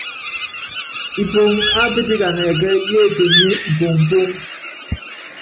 Ipoŋo ápítikana ɛkɛɛ́ yékenyié ipoŋpoŋ.